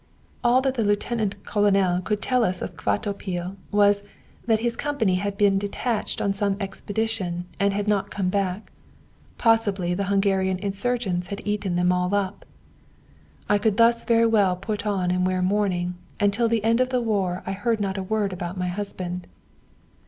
All that the lieutenant colonel could tell us of Kvatopil was, that his company had been detached on some expedition, and had not come back. Possibly the Hungarian insurgents had eaten them all up. "'I could thus very well put on and wear mourning, and till the end of the war I heard not a word about my husband.'